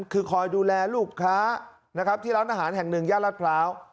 คือคอยดูแลลูกค้าที่ร้านอาหารแห่งหนึ่งญาติรัฐพร้าว